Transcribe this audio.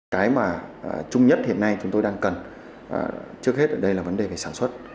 cái mà chung nhất hiện nay chúng tôi đang cần trước hết đây là vấn đề về sản xuất